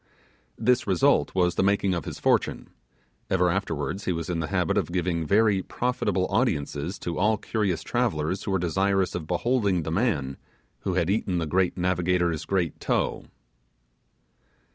This result was the making of his fortune; ever afterwards he was in the habit of giving very profitable audiences to all curious travellers who were desirous of beholding the man who had eaten the great navigator's great toe.